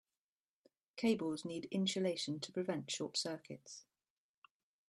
Cables need insulation to prevent short circuits.